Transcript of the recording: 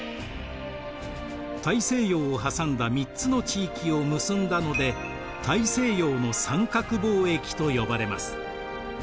大西洋を挟んだ３つの地域を結んだので大西洋の三角貿易と呼ばれます。